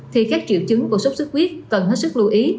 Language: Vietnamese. thì các triệu chứng của sốt xuất huyết cần hết sức lưu ý